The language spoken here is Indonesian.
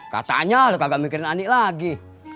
katanya lu kagak mikirin anik lagi